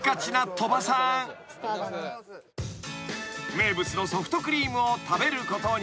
［名物のソフトクリームを食べることに］